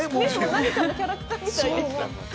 ◆何かのキャラクターみたいでした。